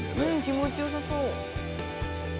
気持ちよさそう！